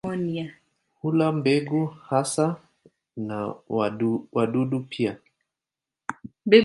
Hula mbegu hasa na wadudu pia.